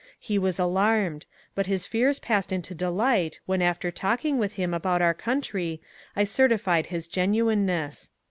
He was alarmed, but his fears passed into delight when after talking with him about our county I certified his genuineness.